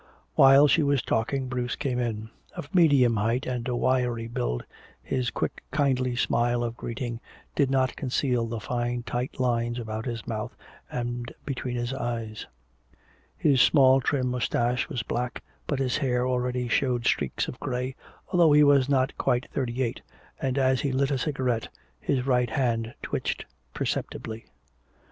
While she was talking Bruce came in. Of medium height and a wiry build, his quick kindly smile of greeting did not conceal the fine tight lines about his mouth and between his eyes. His small trim moustache was black, but his hair already showed streaks of gray although he was not quite thirty eight, and as he lit a cigarette his right hand twitched perceptibly.